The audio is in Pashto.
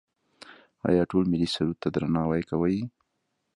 آیا ټول ملي سرود ته درناوی کوي؟